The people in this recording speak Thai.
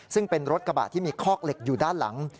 ซึ่งเป็นรถกระบะที่มีคอกเหล็กอยู่ด้านหลัง